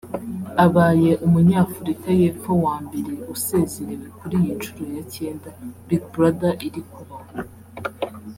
Abaye Umunya-Afurika y’Epfo wa mbere usezerewe kuri iyi nshuro ya cyenda Big Brother iri kuba